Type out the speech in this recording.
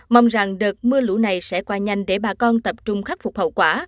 mong rằng đợt mưa lũ này sẽ qua nhanh để bà con tập trung khắc phục hậu quả